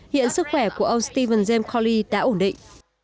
hiện sức khỏe của ông stephen james cawley đã ổn định